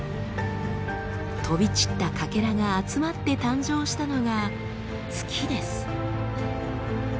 飛び散ったかけらが集まって誕生したのが月です。